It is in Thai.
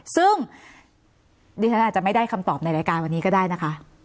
ซึ่งดิฉันอาจจะไม่ได้คำตอบในรายการวันนี้ก็ได้นะคะ